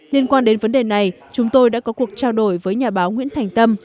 liên quan đến vấn đề này chúng tôi đã có cuộc trao đổi với nhà báo nguyễn thành tâm